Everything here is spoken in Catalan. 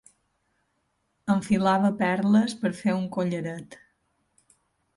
Enfilava perles per fer un collaret.